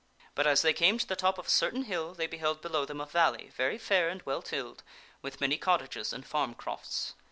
But as they came to the top of a certain hill, they beheld below them a valley, very fair and well tilled, with many cottages and farm crofts.